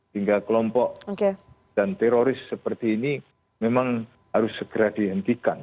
hingga kelompok dan teroris seperti ini memang harus segera dihentikan